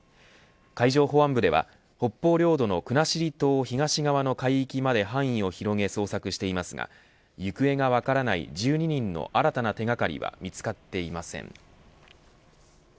海上保安部では北方領土の国後島東側の海域まで範囲を広げ捜索していますが行方が分からない１２人の新たな手掛かりは見つかっていません。